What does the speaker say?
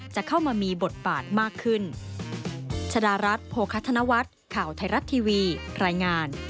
จะเข้ามามีบทบาทมากขึ้น